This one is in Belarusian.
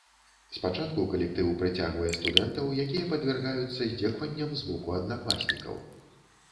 Спачатку калектыў прыцягвае студэнтаў, якія падвяргаюцца здзекаванням з боку аднакласнікаў.